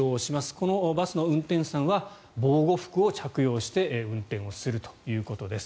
このバスの運転手さんは防護服を着用して運転をするということです。